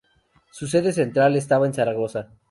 Su sede central estaba en Zaragoza.